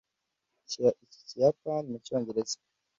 Shyira iki kiyapani mucyongereza.